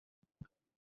হ্যাঁ - বেশ।